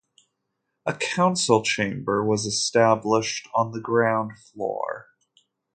A council chamber was established on the ground floor.